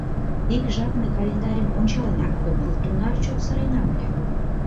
Ик жап мый календарьым ончалынак омыл, тунар чот сыренам ыле.